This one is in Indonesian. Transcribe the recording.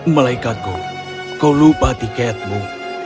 malaikatku kau lupa tiketmu